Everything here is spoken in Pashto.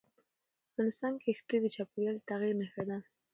افغانستان کې ښتې د چاپېریال د تغیر نښه ده.